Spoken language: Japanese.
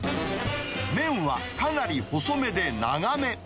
麺はかなり細めで長め。